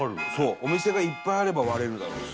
お店がいっぱいあれば割れるだろうし。